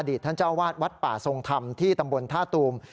ท่านเจ้าวาดวัดป่าทรงธรรมที่ตำบลท่าตูม